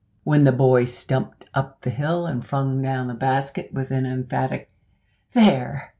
When the boy stumped up the hill and flung down the basket with an emphatic, "there!"